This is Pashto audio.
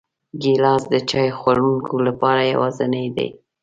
ګیلاس د چای خوړونکو لپاره یوازینی دی.